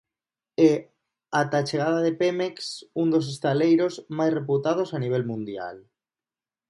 E, ata a chegada de Pemex, un dos estaleiros máis reputados a nivel mundial.